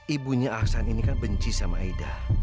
ibunya ahsan ini kan benci sama aida